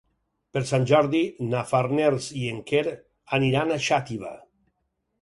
Per Sant Jordi na Farners i en Quer aniran a Xàtiva.